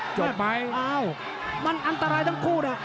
จบไหมอ้าวมันอันตรายทั้งคู่นะ